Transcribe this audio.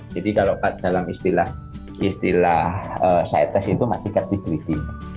jadi kalau dalam istilah saites itu masih captive breeding